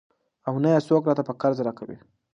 او نه يې څوک راته په قرض راکوي.